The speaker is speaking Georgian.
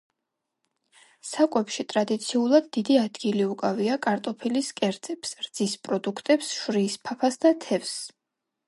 საკვებში ტრადიციულად დიდი ადგილი უკავია კარტოფილის კერძებს, რძის პროდუქტებს, შვრიის ფაფას, და თევზს.